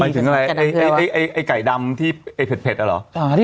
หมายถึงอะไรไอไก่ดำที่เป็ดอะเหรอ